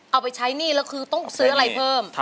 เอาไปใช้หนี้แล้วคือต้องซื้ออะไรเพิ่ม